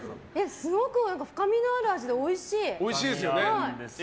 すごく深みのある味でおいしい。